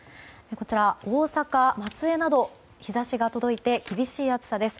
こちら、大阪、松江など日差しが届いて厳しい暑さです。